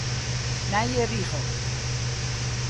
Nije rigel.